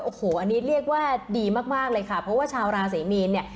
โอ้โหอันนี้เรียกว่าดีมากเลยค่ะเพราะว่าชาวราศรีมีนเนี่ย